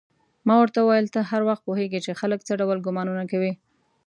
ما ورته وویل: ته هر وخت پوهېږې چې خلک څه ډول ګومانونه کوي؟